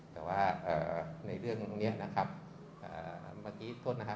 แต่ว่าในเรื่องนี้นะครับเมื่อกี้โทษนะครับ